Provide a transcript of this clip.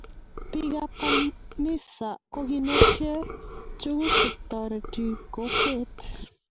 Biik ab kanisa kokinetkei tukuk che toreti kokwet